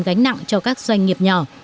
gánh nặng cho các doanh nghiệp nhỏ